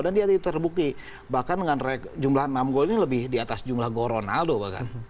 dan dia terbukti bahkan dengan jumlah enam golnya lebih di atas jumlah gol ronaldo bahkan